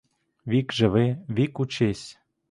Вік живи, вік учись.